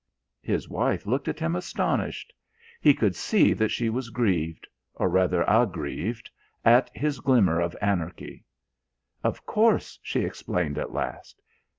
His wife looked at him, astonished. He could see that she was grieved or rather, aggrieved at his glimmer of anarchy. "Of course," she explained at last.